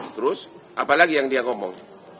terus apalagi yang dia ngomong